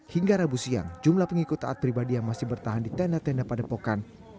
hingga rabu siang jumlah pengikut taat pribadi yang masih bertahan di tenda tenda padepokan